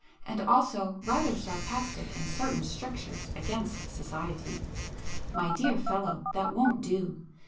And also, rather sarcastic in certain strictures against society. My dear fellow, that won't do.